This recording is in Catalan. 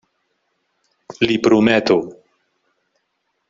L'hi prometo.